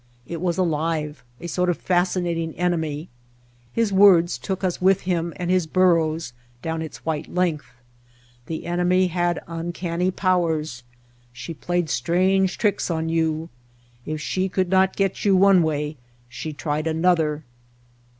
It was alive, a sort of fascinat ing enemy. His words took us with him and his burros down its white length. The enemy had uncanny powers. She played strange tricks on you. If she could not get you one way she tried another.